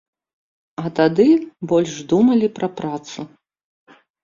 А тады больш думалі пра працу.